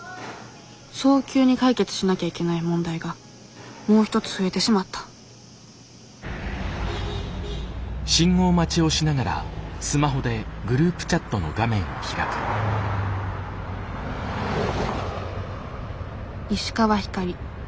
早急に解決しなきゃいけない問題がもう一つ増えてしまった石川光莉。